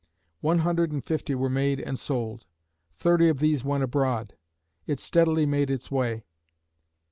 One hundred and fifty were made and sold. Thirty of these went abroad. It steadily made its way.